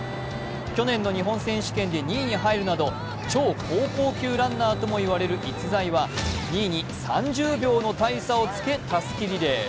去年の日本選手権で２位に入るなど超高校級ランナーとも言われる逸材は、２位に３０秒の大差をつけたすきリレー。